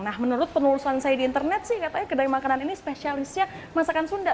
nah menurut pengurusan saya di internet sih katanya kedai makanan ini spesialisnya masakan sunda